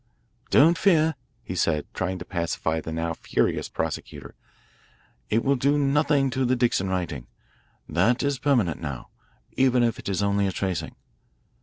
"Don't fear," he said, trying to pacify the now furious prosecutor, "it will do nothing to the Dixon writing. That is permanent now, even if it is only a tracing."